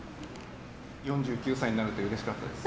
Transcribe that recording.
４９歳になれてうれしかったです。